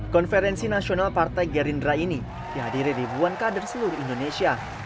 konferensi nasional partai gerindra ini dihadiri ribuan kader seluruh indonesia